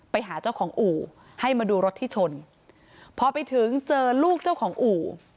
ไปหาเจ้าของอู่ให้มาดูรถที่ชนพอไปถึงเจอลูกเจ้าของอู่